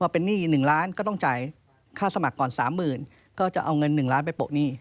ว่าเป็นหนี้หนึ่งล้านก็ต้องจ่ายค่าสมัครก่อนสามหมื่นก็จะเอาเงินหนึ่งล้านไปปลดหนี้